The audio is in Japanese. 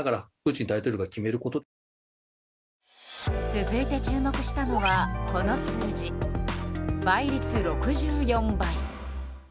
続いて注目したのがこの数字。倍率６４倍。